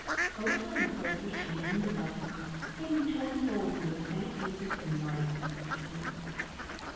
Closer and closer she leaned above him, seeming to enfold him with faint music and light and perfume.